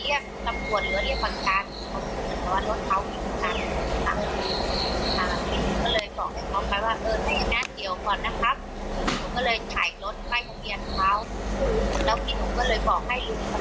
ข้างงั้นเดี๋ยวให้ปุ่นขุมเธอตำรวจดีกว่าครับ